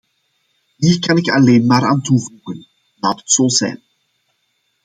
Hier kan ik alleen maar aan toevoegen: laat het zo zijn!